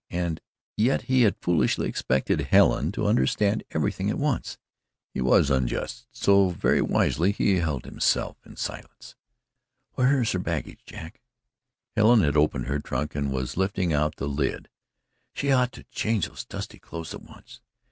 And yet he had foolishly expected Helen to understand everything at once. He was unjust, so very wisely he held himself in silence. "Where is her baggage, Jack?" Helen had opened her trunk and was lifting out the lid. "She ought to change those dusty clothes at once.